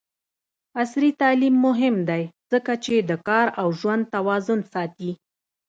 عصري تعلیم مهم دی ځکه چې د کار او ژوند توازن ساتي.